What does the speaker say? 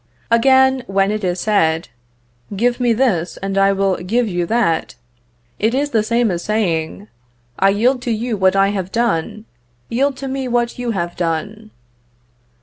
Again, when it is said, "Give me this, and I will give you that," it is the same as saying, "I yield to you what I have done, yield to me what you have done."